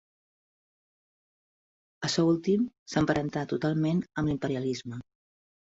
Açò últim s'emparenta totalment amb l'imperialisme.